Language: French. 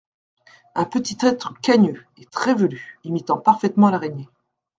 Un petit être cagneux… et très velu… imitant parfaitement l’araignée.